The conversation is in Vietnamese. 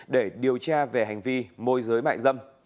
để điều tra về hành vi môi giới mại dâm